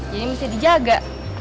jadi mesti dijaga